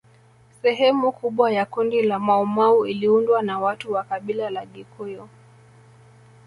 Sehemu kubwa ya kundi la Maumau iliundwa na watu wa kabila la Gikuyu